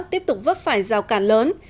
tiếp tục vấp phải rào cản lớn